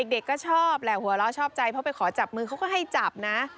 เด็กก็ชอบแหละหัวเราะชอบใจเพราะไปขอจับมือเขาก็ให้จับนะ